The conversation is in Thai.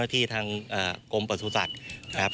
ที่ทางกรมประสูจน์ศักดิ์นะครับ